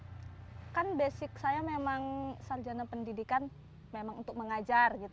awalnya sulit ya mas kan basic saya memang sarjana pendidikan memang untuk mengajar gitu ya